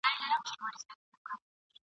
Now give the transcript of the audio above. په دوا چي یې رڼا سوې دواړي سترګي !.